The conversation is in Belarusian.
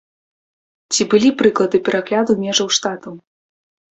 Ці былі прыклады перагляду межаў штатаў?